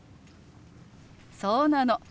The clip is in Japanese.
そうなの。